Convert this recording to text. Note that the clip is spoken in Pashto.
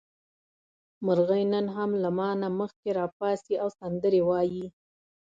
مرغۍ نن هم له ما نه مخکې راپاڅي او سندرې وايي.